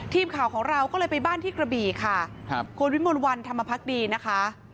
ทีมข่าวของเราก็เลยไปบ้านที่กระบี่ค่ะครับคุณวิมลวันธรรมพักดีนะคะ